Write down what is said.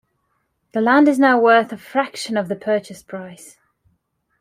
The land is now worth a fraction of the purchase price.